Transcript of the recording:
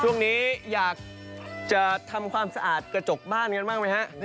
ช่วงนี้อยากจะทำความสะอาดกระจกบ้านกันบ้างไหมฮะ